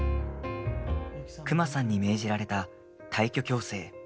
クマさんに命じられた退去強制。